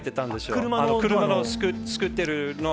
車の作ってるの。